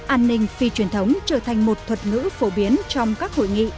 an ninh phi truyền thống trở thành một thuật ngữ phổ biến trong các hội nghị